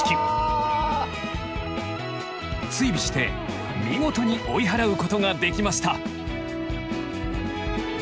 追尾して見事に追い払うことができました。